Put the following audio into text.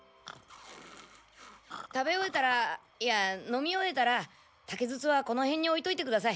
食べ終えたらいや飲み終えたら竹筒はこの辺に置いといてください。